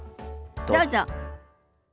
どうぞ。